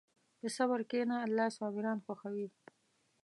په صبر کښېنه، الله صابران خوښوي.